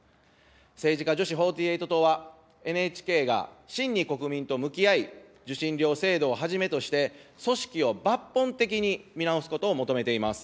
政治家女子４８党は、ＮＨＫが真に国民と向き合い、受信料制度をはじめとして、組織を抜本的に見直すことを求めています。